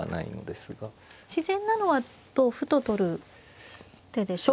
自然なのは同歩と取る手ですか。